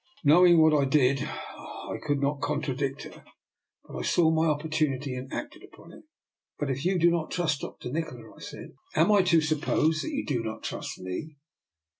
Knowing what I did, I could not contra dict her; but I saw my opportunity, and act ed upon it. " But if you do not trust Dr. Nikola," I said, " am I to suppose that you do not trust me?"